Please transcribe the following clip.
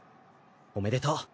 おめでとう！